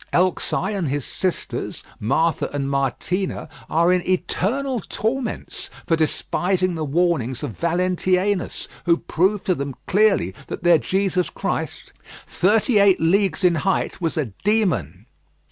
Elxai and his sisters, Martha and Martena, are in eternal torments for despising the warnings of Valentianus, who proved to them clearly that their Jesus Christ, thirty eight leagues in height, was a demon.